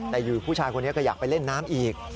แต่อยู่ผู้ชายคนนี้ก็อยากไปเล่นน้ำอีก